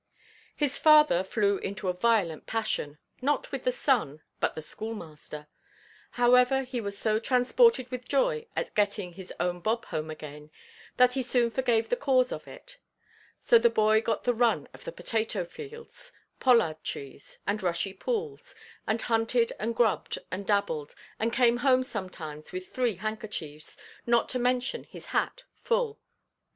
His father flew into a violent passion, not with the son, but the schoolmaster: however, he was so transported with joy at getting his own Bob home again, that he soon forgave the cause of it. So the boy got the run of the potato–fields, pollard–trees, and rushy pools, and hunted and grubbed and dabbled, and came home sometimes with three handkerchiefs, not to mention his hat, full.